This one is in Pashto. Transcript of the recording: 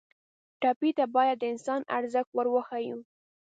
ټپي ته باید د انسان ارزښت ور وښیو.